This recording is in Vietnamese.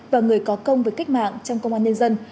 và người có công với cách mạng trong công an nhân dân